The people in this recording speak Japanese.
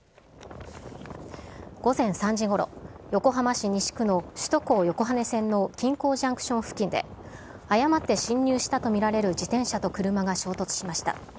午前３時ごろ、横浜市西区の首都高横羽線の金港ジャンクション付近で、誤って進入したと見られる自転車と車が衝突しました。